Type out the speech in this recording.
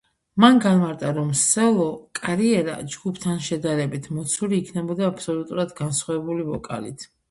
მან განმარტა, რომ სოლო კარიერა, ჯგუფთან შედარებით, მოცული იქნებოდა აბსოლუტურად განსხვავებული ვოკალით.